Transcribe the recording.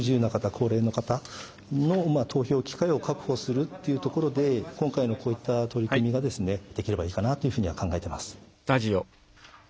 高齢の方の投票機会を確保するというところで今回のこういった取り組みができればいいかなというふうには考えています。